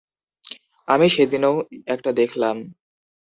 আমি সেদিনও একটা দেখলাম।